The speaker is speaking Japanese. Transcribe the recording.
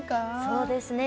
そうですね。